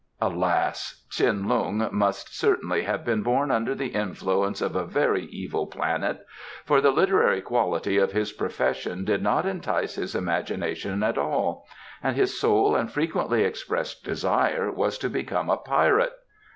Alas! Tsin Lung must certainly have been born under the influence of a very evil planet, for the literary quality of his profession did not entice his imagination at all, and his sole and frequently expressed desire was to become a pirate.